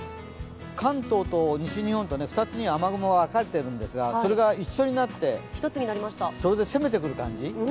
関東と西日本と二つに雨雲がかかっているんですがそれが一緒になって、それで攻めてくる感じ。